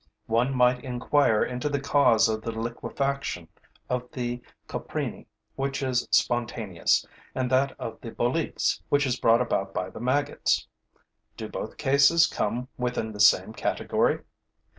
One might inquire into the cause of the liquefaction of the coprini, which is spontaneous, and that of the boletes, which is brought about by the maggots. Do both cases come within the same category?